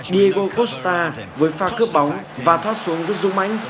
diego costa với pha cướp bóng và thoát xuống rất rung mãnh